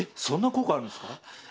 そんな効果あるんですか？